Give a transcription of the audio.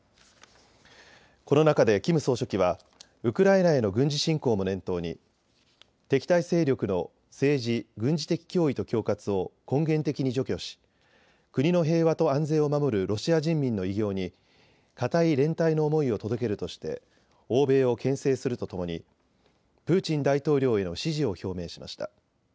この中でキム総書記はウクライナへの軍事侵攻も念頭に敵対勢力の政治・軍事的脅威と恐喝を根源的に除去し国の平和と安全を守るロシア人民の偉業に固い連帯の思いを届けるとして欧米をけん制するとともに、プーチン大統領への支持を表明しました。